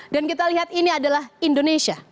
dan kita lihat ini adalah indonesia